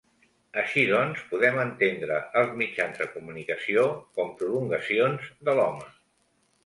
Així doncs, podem entendre els mitjans de comunicació com prolongacions de l’home.